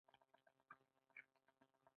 ځنګل د ځمکې ساتنه کوي.